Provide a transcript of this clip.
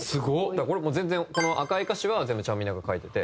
これもう全然この赤い歌詞は全部ちゃんみなが書いてて。